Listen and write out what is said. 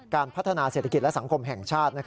การพัฒนาเศรษฐกิจและสังคมแห่งชาติ